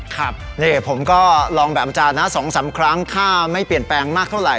ครับนี่ผมก็ลองแบบอาจารย์นะ๒๓ครั้งค่าไม่เปลี่ยนแปลงมากเท่าไห